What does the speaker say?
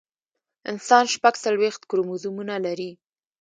انسان شپږ څلوېښت کروموزومونه لري